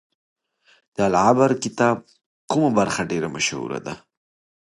د العبر کتاب کومه برخه ډیره مشهوره ده؟